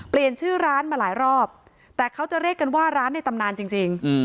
เปลี่ยนชื่อร้านมาหลายรอบแต่เขาจะเรียกกันว่าร้านในตำนานจริง